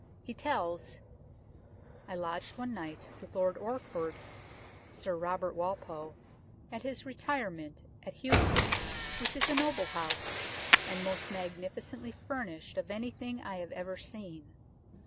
He tells " I lodged one night with Lord Orford [Sir Robert Walpole] at his retirement at Houghton, which is a noble House, and most magnificently furnished of any thing I have ever seen.